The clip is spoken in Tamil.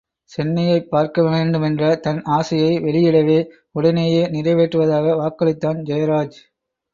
சென்னையைப் பார்க்கவேண்டுமென்ற தன் ஆசையை வெளியிடவே, உடனேயே நிறைவேற்றுவதாக வாக்களித்தான் ஜெயராஜ்.